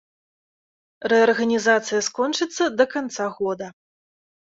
Рэарганізацыя скончыцца да канца года.